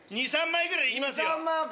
２３枚ぐらい行きますよ。